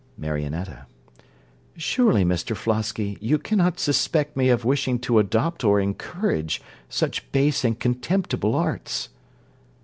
MARIONETTA Surely, Mr Flosky, you cannot suspect me of wishing to adopt or encourage such base and contemptible arts.